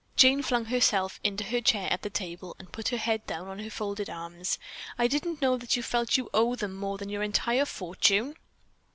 Jane flung herself into her chair at the table and put her head down on her folded arms. "I didn't know that you felt that you owe them more than your entire fortune."